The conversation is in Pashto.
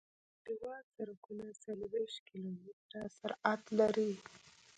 کلیوال سرکونه څلویښت کیلومتره سرعت لري